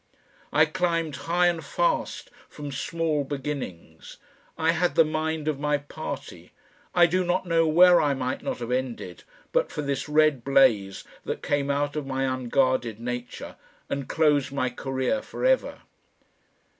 I climbed high and fast from small beginnings. I had the mind of my party. I do not know where I might not have ended, but for this red blaze that came out of my unguarded nature and closed my career for ever.